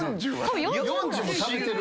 ４０も食べてる？